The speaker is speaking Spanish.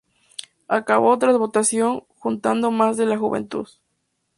Acabó, tras votación, gustando más la de la Juventus.